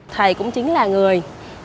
thầy cũng chính là người